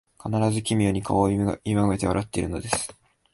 必ず奇妙に顔をゆがめて笑っているのです